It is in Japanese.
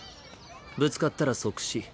ぶつかったら即死。